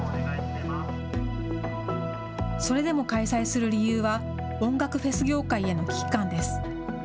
それでも開催する理由は、音楽フェス業界への危機感です。